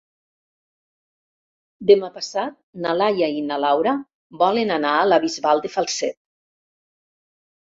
Demà passat na Laia i na Laura volen anar a la Bisbal de Falset.